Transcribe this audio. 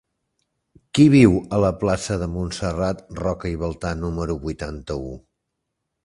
Qui viu a la plaça de Montserrat Roca i Baltà número vuitanta-u?